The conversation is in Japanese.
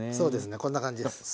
こんな感じです。